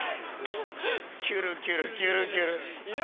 キュルキュルキュルキュル。